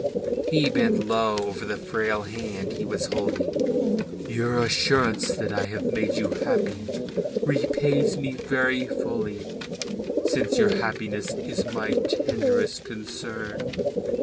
He bent low over the frail hand he was holding. "Your assurance that I have made you happy repays me very fully, since your happiness is my tenderest concern.